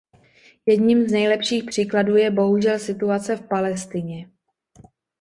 Jedním z nejlepších příkladů je bohužel situace v Palestině.